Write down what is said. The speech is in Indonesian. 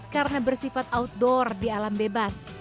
karena bersifat outdoor di alam bebas